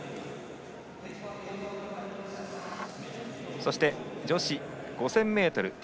そして、女子５０００ｍＴ